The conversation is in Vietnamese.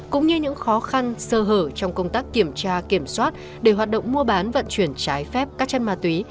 cũng như những khó khăn sơ hở trong công tác kiểm tra kiểm soát để hoạt động mua bán vận chuyển trái phép các chất ma túy